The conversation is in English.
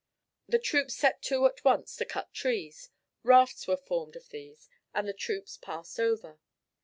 The troops set to at once to cut trees; rafts were formed of these, and the troops passed over.